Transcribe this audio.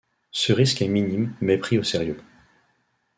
Ce risque est minime mais pris au sérieux.